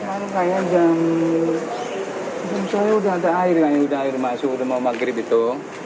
hari ini kayak jam jam saya udah ada air udah air masuk udah mau maghrib itu